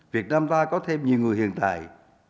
việt nam ta có thêm nhiều người hiện tại